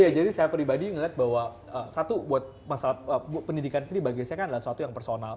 iya jadi saya pribadi melihat bahwa satu buat masalah pendidikan sendiri bagi saya kan adalah suatu yang personal